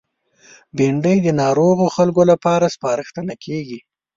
بېنډۍ د ناروغو خلکو لپاره سپارښتنه کېږي